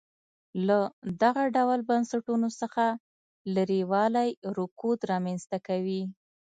له دغه ډول بنسټونو څخه لرېوالی رکود رامنځته کوي.